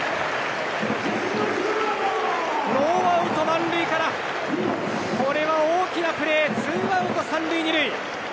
ノーアウト満塁からこれは大きなプレーツーアウト３塁２塁。